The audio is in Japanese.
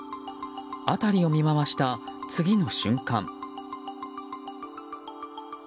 辺りを見回した、次の瞬間。